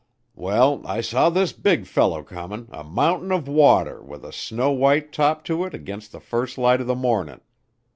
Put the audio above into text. "Well, I saw this big fellow coming, a mountain of water with a snow white top to it against the first light of the morning.